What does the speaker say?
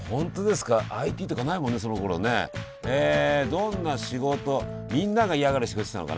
どんな仕事みんなが嫌がる仕事してたのかな？